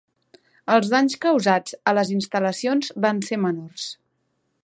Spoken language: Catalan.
Els danys causats a les instal·lacions van ser menors.